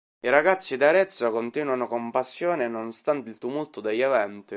I ragazzi di Arezzo continuano con passione, nonostante il tumulto degli eventi.